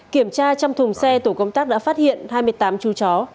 kiểm tra trong thùng xe tổ công tác đã phát hiện hai mươi tám chú chó